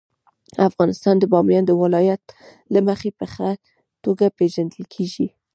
افغانستان د بامیان د ولایت له مخې په ښه توګه پېژندل کېږي.